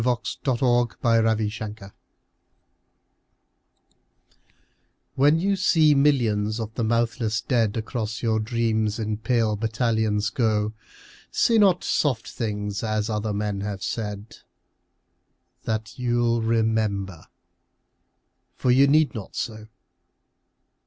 XCI The Army of Death WHEN you see millions of the mouthless dead Across your dreams in pale battalions go, Say not soft things as other men have said, That you'll remember. For you need not so.